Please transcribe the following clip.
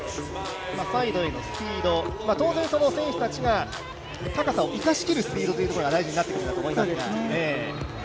サイド、スピード、当然選手たちが高さを生かし切るスピードが大事になってくるんだと思いますが。